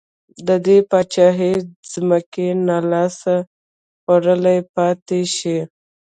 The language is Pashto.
د دې پاچاهۍ ځمکې نا لاس خوړلې پاتې شي.